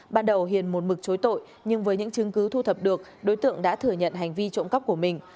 ban đầu hiền một mực chối tội nhưng với những chứng cứ thu thập được đối tượng đã thừa nhận hành vi trộm cắp của mình